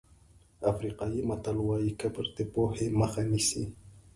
افریقایي متل وایي کبر د پوهې مخه نیسي.